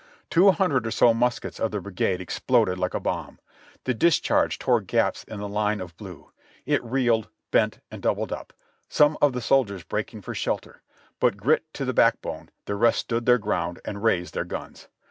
The two hundred or so muskets of the brigade exploded like a bomb; the discharge tore gaps in the line of blue ; it reeled, bent and doubled up, some of the soldiers breaking for shelter; but grit to the back bone, the rest stood their ground and raised their guns.